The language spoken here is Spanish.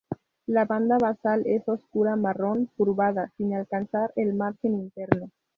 La banda basal es oscura marrón, curvada, sin alcanzar el margen interno.